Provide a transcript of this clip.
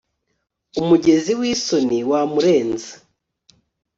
Umugezi wisoni wamurenze